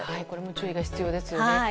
これも注意が必要ですよね。